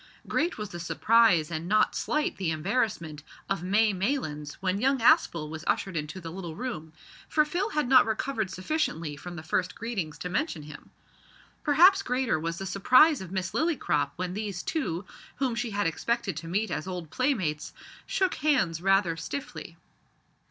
Great was the surprise and not slight the embarrassment of May Maylands when young Aspel was ushered into the little room, for Phil had not recovered sufficiently from the first greetings to mention him. Perhaps greater was the surprise of Miss Lillycrop when these two, whom she had expected to meet as old playmates, shook hands rather stiffly.